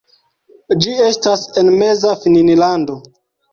Ĝi estas en Meza Finnlando.